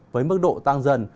với mức độ tăng dần